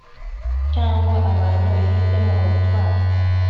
cyangwa abantu bifitemo ubutwari